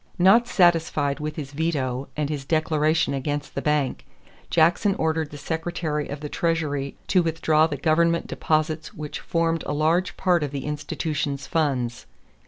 Not satisfied with his veto and his declaration against the bank, Jackson ordered the Secretary of the Treasury to withdraw the government deposits which formed a large part of the institution's funds.